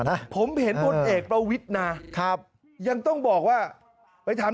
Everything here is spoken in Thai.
นะผมเห็นพลเอกประวิทย์นะครับยังต้องบอกว่าไปถาม